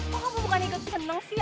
kok kamu bukan ikut penang sih